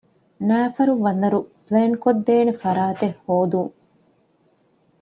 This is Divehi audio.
ނައިފަރު ބަނދަރު ޕްލޭންކޮށްދޭނެ ފަރާތެއް ހޯދުން